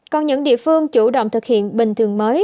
còn những địa phương chủ động thực hiện bình thường mới